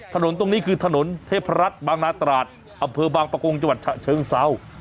ถนนตรงนี้คือถนนเทพรัฐบางนาตราดอำเภอบางประกงจังหวัดฉะเชิงเศร้า